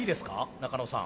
中野さん。